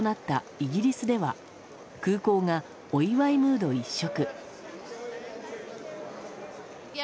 イギリスでは空港がお祝いムード、一色。